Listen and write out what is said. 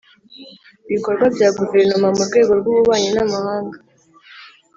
ibikorwa bya guverinoma mu rwego rw'ububanyi n'amahanga